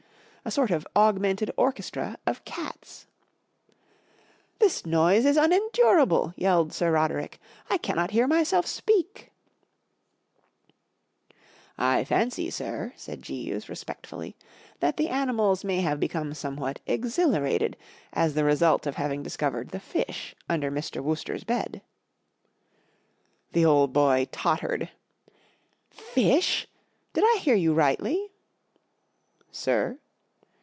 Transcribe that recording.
A sort of augmented or¬ chestra of cats. f# This noise is unen¬ durable/' y e 11 e d Sir Roderick. *1 cannot hear myself speak/' I I fancy, sir/" said peeves, respect¬ fully, "that animals may have become s o m e w li a t exhilarated as the result of having discovered the f i s h Hinder Mr; Woos t ex' s bed/* The old boy tot¬ tered, "Fish! Did 1 hear ^ you rightly ? 11 Sir